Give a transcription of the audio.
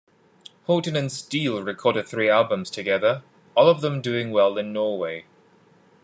Holton and Steel recorded three albums together, all of them doing well in Norway.